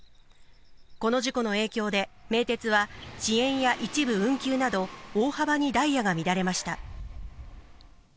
この事故の影響で、名鉄は遅延や一部運休など、大幅にダイヤが乱れました。